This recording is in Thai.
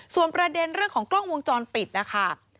ส่วนประเด็นเรื่องของกล้องวงจรปิดนะคะ